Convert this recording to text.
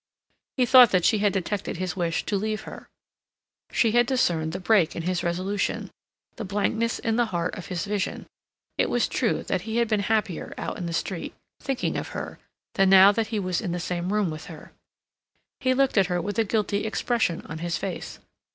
He thought that she had detected his wish to leave her. She had discerned the break in his resolution, the blankness in the heart of his vision. It was true that he had been happier out in the street, thinking of her, than now that he was in the same room with her. He looked at her with a guilty expression on his face.